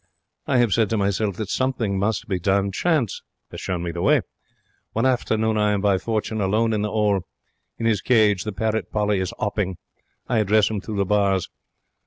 I have said to myself that something must be done. Chance has shown me the way. One afternoon I am by fortune alone in the 'all. In his cage the parrot Polly is 'opping. I address him through the bars.